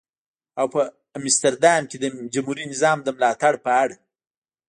او په مستر دام کې د جمهوري نظام د ملاتړ په اړه.